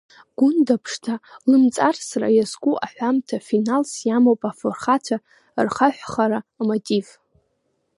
Гәында-ԥшӡа лымҵарсра иазку аҳәамҭа финалс иамоуп афырхацәа рхаҳәхара амотив.